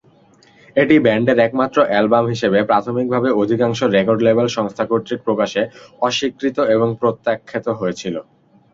এটি ব্যান্ডের একমাত্র অ্যালবাম হিসেবে প্রাথমিকভাবে অধিকাংশ রেকর্ড লেবেল সংস্থা কর্তৃক প্রকাশে অস্বীকৃত এবং প্রত্যাখ্যাত হয়েছিল।